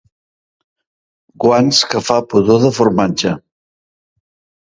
Guants que fa pudor de formatge.